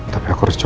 tapi aku harus coba